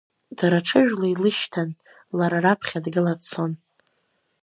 Дара ҽыжәла илышьҭан, лара раԥхьа дгыла дцон.